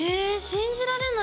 信じられないね。